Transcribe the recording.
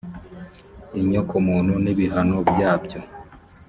inyokomuntu n ibihano byabyo